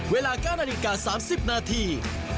เวลา๙นาฬิกา๓๐นาที